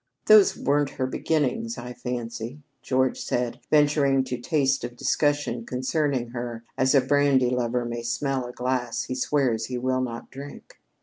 "Those weren't her beginnings, I fancy," George said, venturing to taste of discussion concerning her as a brandy lover may smell a glass he swears he will not drink.